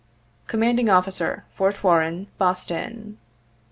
" Commanding Officer, Fort Warren, Boston.